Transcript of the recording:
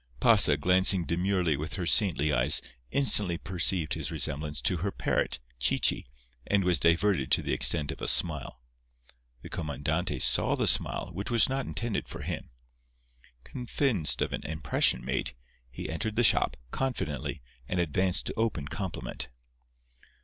Pasa, glancing demurely with her saintly eyes, instantly perceived his resemblance to her parrot, Chichi, and was diverted to the extent of a smile. The comandante saw the smile, which was not intended for him. Convinced of an impression made, he entered the shop, confidently, and advanced to open compliment.